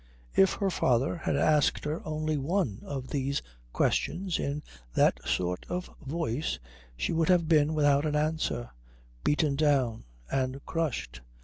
If her father had asked her only one of these questions in that sort of voice she would have been without an answer, beaten down and crushed.